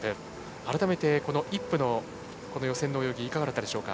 改めてイップの予選の泳ぎいかがだったでしょうか。